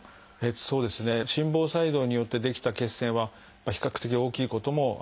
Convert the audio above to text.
そうですね心房細動によって出来た血栓は比較的大きいことも多々あります。